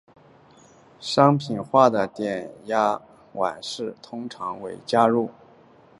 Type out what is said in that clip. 商品化的碘甲烷试剂中通常会加入铜或银丝使其稳定。